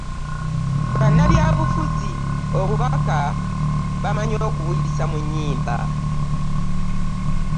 Bannabyabufuzi obubaka bamanyi okubuyisa mu nnyimba.